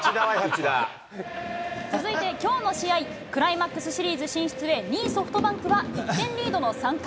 続いてきょうの試合、クライマックスシリーズ進出へ２位ソフトバンクは１点リードの３回。